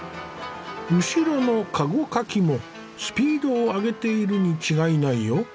後ろの駕籠かきもスピードを上げているに違いないよ。